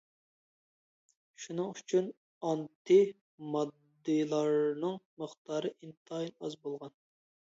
شۇنىڭ ئۈچۈن، ئانتى ماددىلارنىڭ مىقدارى ئىنتايىن ئاز بولغان.